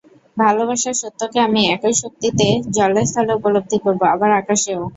ভালোবাসার সত্যকে আমি একই শক্তিতে জলে স্থলে উপলব্ধি করব, আবার আকাশেও।